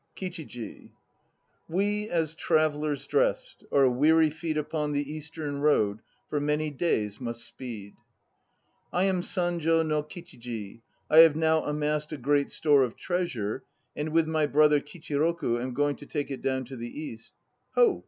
KICHIJI. We as travellers dressed Our weary feet upon the Eastern road For many days must speed. I am San jo no Kichiji. I have now amassed a great store of treasure and with my brother Kichiroku am going to take it down to the East. Ho